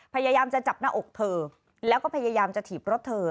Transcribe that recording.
พยายามจะจับหน้าอกเธอแล้วก็พยายามจะถีบรถเธอ